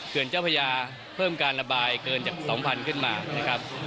เจ้าพญาเพิ่มการระบายเกินจาก๒๐๐ขึ้นมานะครับ